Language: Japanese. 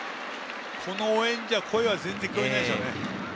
この応援じゃ声は全然聞こえないでしょう。